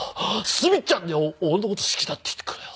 澄ちゃんに俺の事好きだって言ってくれよ。